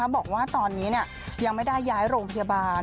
บอกว่าตอนนี้ยังไม่ได้ย้ายโรงพยาบาล